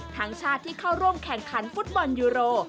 ชาติที่เข้าร่วมแข่งขันฟุตบอลยูโร